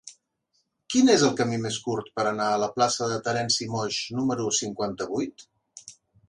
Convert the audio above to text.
Quin és el camí més curt per anar a la plaça de Terenci Moix número cinquanta-vuit?